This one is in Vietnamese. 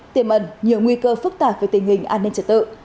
tiềm ẩn nhiều nguy cơ phức tạp về tình hình an ninh trật tự